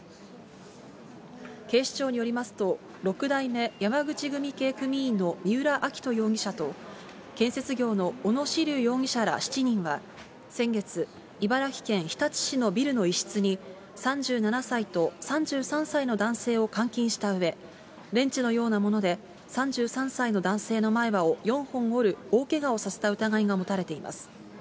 警視庁によりますと、六代目山口組系組員の三浦あきと容疑者と、建設業の小野子竜容疑者ら７人は、先月、茨城県日立市のビルの一室に、３７歳と３３歳の男性を監禁したうえ、レンチのようなもので３３歳の男性の前歯を４本折る大けがをさせた疑いが持たれています。